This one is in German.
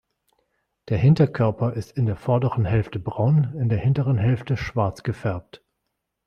Der Hinterkörper ist in der vorderen Hälfte braun, in der hinteren Hälfte schwarz gefärbt.